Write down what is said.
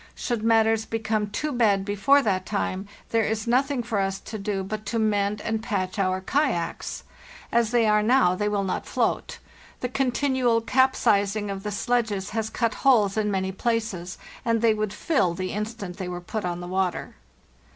Should matters become too bad before that time, there is nothing for us to do but to mend and patch our kayaks. As they are now they will not float. The continual capsizing of the sledges has cut holes in many places, and they would fill the instant they were put on the water."